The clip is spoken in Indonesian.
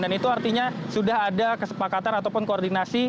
dan itu artinya sudah ada kesepakatan ataupun koordinasi